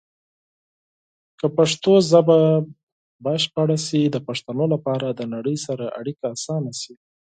که پښتو ژبه بشپړه شي، د پښتنو لپاره د نړۍ سره اړیکې اسانه شي.